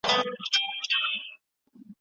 پرون زېری سو د سولي چا کرار پوښتنه وکړه